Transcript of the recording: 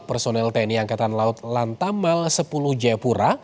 personel tni angkatan laut lantamal sepuluh jayapura